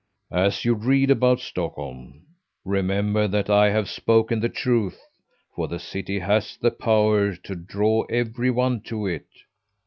"As you read about Stockholm, remember that I have spoken the truth, for the city has the power to draw every one to it.